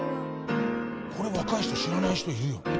これ若い人知らない人いるよ。